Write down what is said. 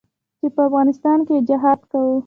چې په افغانستان کښې يې جهاد کاوه.